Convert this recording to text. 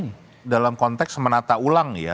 ini dalam konteks menata ulang ya